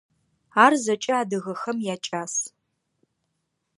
Ар зэкӏэ адыгэхэм якӏас.